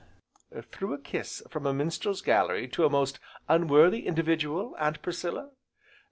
"Threw a kiss from a minstrel's gallery, to a most unworthy individual, Aunt Priscilla?"